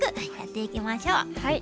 はい。